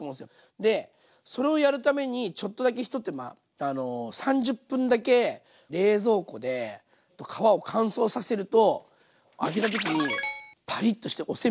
でそれをやるためにちょっとだけ一手間３０分だけ冷蔵庫で皮を乾燥させると揚げた時にパリッとしてお煎餅みたいになるんで。